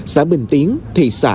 xã bình tiến thị xã